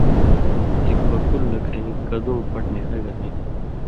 ایک بکُلوۡ لکٙھیں کدُوں پٹ نھیلہ گلے